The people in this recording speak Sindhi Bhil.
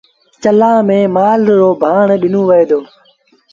چلآݩ ميݩ مآل رو ڀآڻ ڏنو وهي دو۔